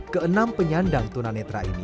keenam penyandang tunanetra ini